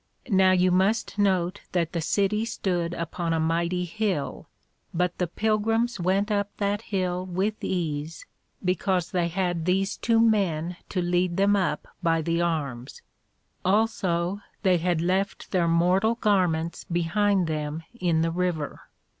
Now you must note that the City stood upon a mighty Hill, but the Pilgrims went up that Hill with ease because they had these two men to lead them up by the arms; also they had left their mortal Garments behind them in the River.